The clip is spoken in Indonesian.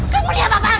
kemudian apa pak